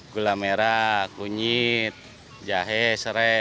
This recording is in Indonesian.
gula merah kunyit jahe serai